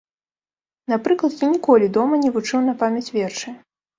Напрыклад, я ніколі дома не вучыў на памяць вершы.